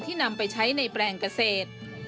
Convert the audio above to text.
นำไปใช้ในแปลงเกษตร